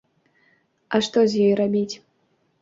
А што з ёй рабіць?